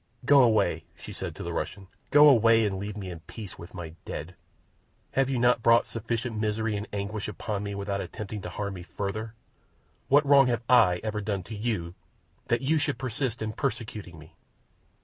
"Go away!" she said to the Russian. "Go away and leave me in peace with my dead. Have you not brought sufficient misery and anguish upon me without attempting to harm me further? What wrong have I ever done you that you should persist in persecuting me?"